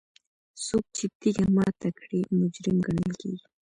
څوک چې تیږه ماته کړي مجرم ګڼل کیږي.